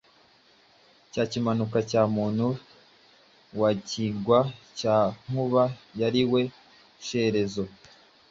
cya Kimanuka cya Muntu wa Kigwa cya Nkuba, ari we Shyerezo".